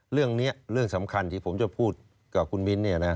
เรื่องเรื่องสำคัญที่ผมจะพูดกับคุณมิ้น